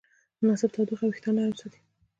مناسب تودوخه وېښتيان نرم ساتي.